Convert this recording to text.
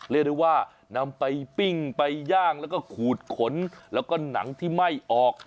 เรียกได้ว่านำไปปิ้งไปย่างแล้วก็ขูดขนแล้วก็หนังที่ไหม้ออก